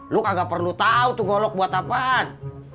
lo kagak perlu tau tuh golok buat apaan